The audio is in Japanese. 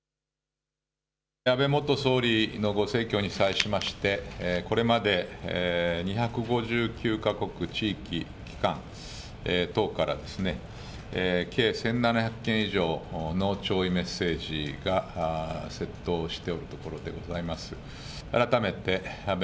安倍元総理のご逝去に際しましてこれまで２５９か国、地域、機関等から計１７００件以上の弔意メッセージが接到しているところでございます。